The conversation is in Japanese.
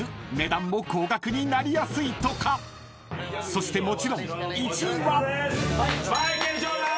［そしてもちろん１位は］